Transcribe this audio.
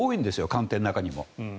官邸の中にも。